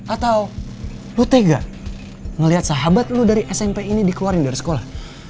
atau lo tega ngeliat sahabat lo dari smp ini dikeluarin dari sekolah